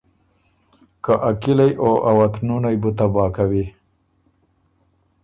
که ا کِلئ او ا وطنُونئ بُو تباه کوی۔